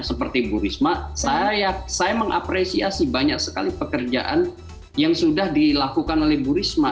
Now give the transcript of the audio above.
seperti bu risma saya mengapresiasi banyak sekali pekerjaan yang sudah dilakukan oleh bu risma